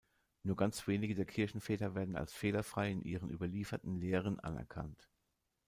Nur ganz wenige der Kirchenväter werden als fehlerfrei in ihren überlieferten Lehren anerkannt.